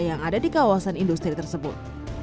yang ada di kawasan industri tersebut